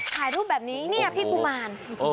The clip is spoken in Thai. ถ่ายรูปแบบนี้เนี่ยพี่กุมาร